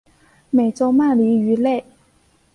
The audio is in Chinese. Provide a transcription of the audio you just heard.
美洲鳗鲡鱼类。